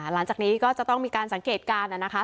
หลังจากนี้ก็จะต้องมีการสังเกตการณ์นะคะ